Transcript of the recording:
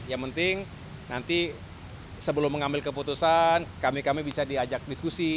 yang penting nanti sebelum mengambil keputusan kami kami bisa diajak diskusi